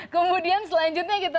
oke kemudian selanjutnya kita lihat